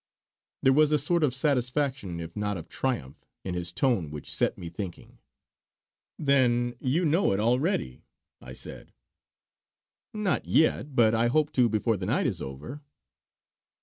There was a sort of satisfaction, if not of triumph, in his tone which set me thinking. "Then you know it already?" I said. "Not yet; but I hope to before the night is over."